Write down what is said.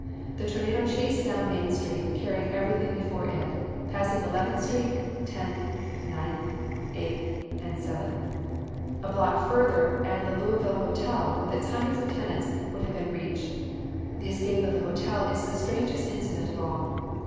The tornado chased down Main street, carrying everything before it, passing Eleventh street, Tenth, Ninth, Eighth, and Seventh. A block further and the Louisville Hotel, with its hundreds of tenants, would have been reached. The escape of the hotel is the strangest incident of all.